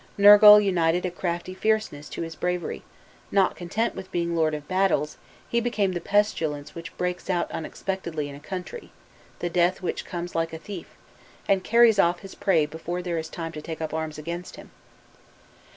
Nergal united a crafty fierceness to his bravery: not content with being lord of battles, he became the pestilence which breaks out unexpectedly in a country, the death which comes like a thief, and carries off his prey before there is time to take up arms against him.